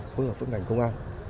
khối hợp với ngành công an